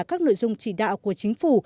các nội dung chỉ đạo của chính phủ